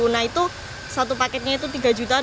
nah itu satu paketnya itu tiga delapan ratus